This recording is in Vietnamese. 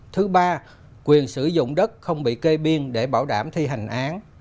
thứ ba quyền sử dụng đất không bị kê biên để bảo đảm thi hành án